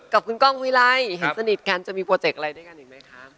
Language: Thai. กับคุณก้องหุ้ยไล่เห็นสนิทกันจะมีโปรเจกต์อะไรด้วยกันอีกไหมคะ